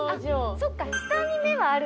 そっか。